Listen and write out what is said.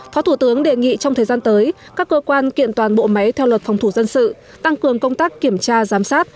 phó thủ tướng đề nghị trong thời gian tới các cơ quan kiện toàn bộ máy theo luật phòng thủ dân sự tăng cường công tác kiểm tra giám sát